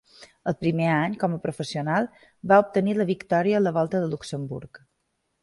El primer any com a professional va obtenir la victòria a la Volta a Luxemburg.